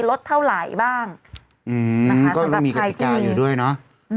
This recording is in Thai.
ลดเท่าไหร่บ้างอืมนะคะก็มีกฎิกาอยู่ด้วยเนอะอืม